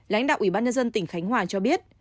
lãnh đạo ubnd tỉnh khánh hòa cho biết